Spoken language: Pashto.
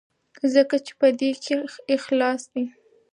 ځکه چې په دې کې اخلاص دی.